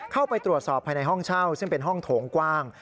เข้าไปตรวจสอบภายในห้องเช่าซึ่งเป็นห้องโถงกว้าง